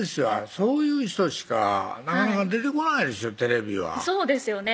そういう人しかなかなか出てこないですよテレビはそうですよね